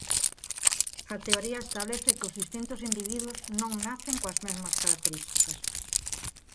A teoría establece que os distintos individuos non nacen coas mesmas características.